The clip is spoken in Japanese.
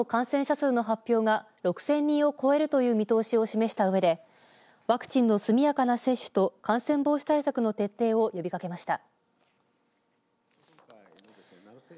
愛知県の大村知事は対策本部会議できょうの感染者数の発表が６０００人を超えるという見通しを示したうえでワクチンの速やかな接種と感染防止対策の徹底を呼びかけました。